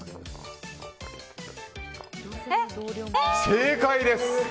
正解です！